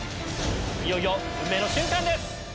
いよいよ運命の瞬間です！